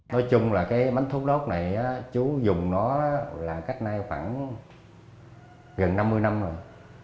nói chung là cái bánh thốt nốt này chú dùng nó là cách nay khoảng gần năm mươi năm rồi